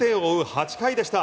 ８回でした。